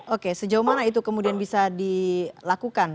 oke sejauh mana itu kemudian bisa dilakukan